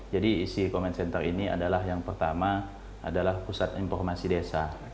jadi isi komensenter ini adalah yang pertama adalah pusat informasi desa